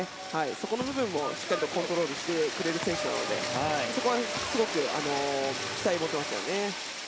そこの部分もしっかりとコントロールしてくれる選手なのでそこはすごく期待が持てますよね。